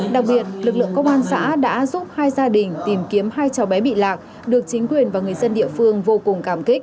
đặc biệt lực lượng công an xã đã giúp hai gia đình tìm kiếm hai cháu bé bị lạc được chính quyền và người dân địa phương vô cùng cảm kích